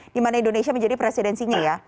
di mana indonesia menjadi presidensinya ya